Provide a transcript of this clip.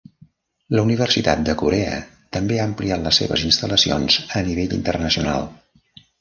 La universitat de Corea també ha ampliat les seves instal·lacions a nivell internacional.